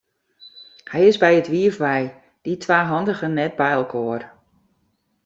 Hy is by it wiif wei, dy twa handigen net byinoar.